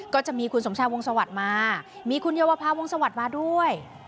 ก็จะมีคุณสมชาวงสวัสดิ์มามีคุณเยาวภาวงสวัสดิ์มาด้วย